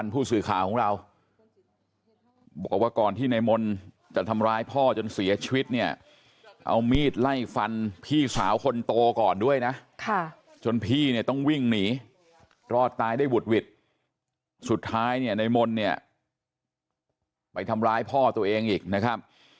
ไปทำร้ายพ่อตัวเองอีกนะครับ